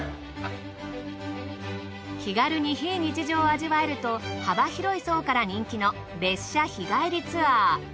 気軽に非日常を味わえると幅広い層から人気の列車日帰りツアー。